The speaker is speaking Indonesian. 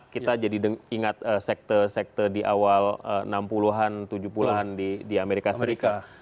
kita jadi ingat sekte sekte di awal enam puluh an tujuh puluh an di amerika serikat